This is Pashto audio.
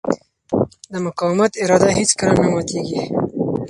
د مقاومت اراده هېڅکله نه ماتېږي.